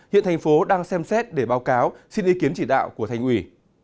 hiện thành phố đang xem xét để báo cáo xin ý kiến chỉ đạo của thành ủy